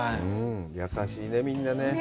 優しいね、みんなね。